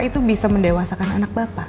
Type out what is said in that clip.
itu bisa mendewasakan anak bapak